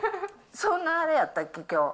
そんなあれやったっけ？